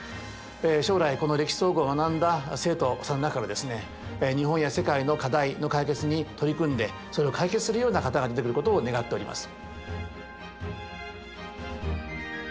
将来この「歴史総合」を学んだ生徒さんの中からですね日本や世界の課題の解決に取り組んでそれを解決するような方が出てくることを願っております。